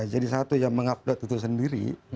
jadi satu yang mengupload itu sendiri